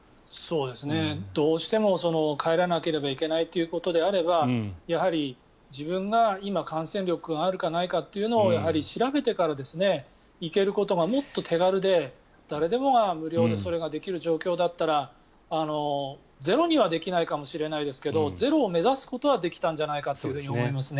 どうしても帰らなければいけないということであればやはり自分が今、感染力があるかないかをやはり調べてから行けることがもっと手軽で、誰でもが無料でそれができる状況だったらゼロにはできないかもしれないけどゼロを目指すことはできたんじゃないかと思います。